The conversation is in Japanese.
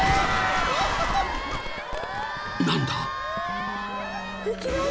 ［何だ！？］